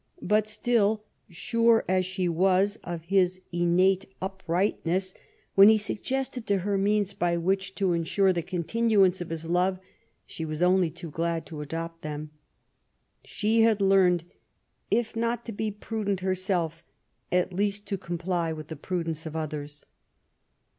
But still, sure as she was of his innate upright* \i 188 MARY W0LL8T0NECBAFT GODWIN. ness^ when he suggested to her means by which to in jure the continuance of his love^ she was only too glad to adopt them. She had learned^ if not to be prudent herself^ at least to comply with the prudence of others.